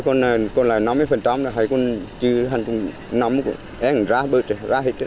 thế còn là năm mươi là thấy con chứ hẳn cũng nắm em ra bớt rồi ra hết rồi